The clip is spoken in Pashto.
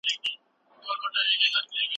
ایا واوره به بیا وورېږي؟